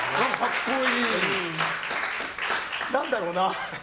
何だろうな？